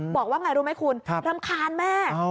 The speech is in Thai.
บอกว่าไงรู้ไหมคุณรำคาญแม่